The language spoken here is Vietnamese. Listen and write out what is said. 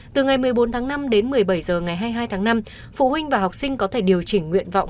từ ngày một mươi bốn tháng năm đến một mươi bảy h ngày hai mươi hai tháng năm phụ huynh và học sinh có thể điều chỉnh nguyện vọng